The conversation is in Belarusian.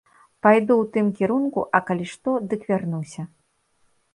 Пайду ў тым кірунку, а калі што, дык вярнуся.